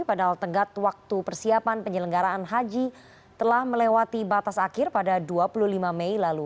padahal tenggat waktu persiapan penyelenggaraan haji telah melewati batas akhir pada dua puluh lima mei lalu